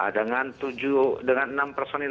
dengan enam personil